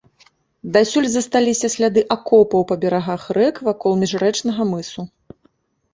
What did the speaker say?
Дасюль засталіся сляды акопаў па берагах рэк вакол міжрэчнага мысу.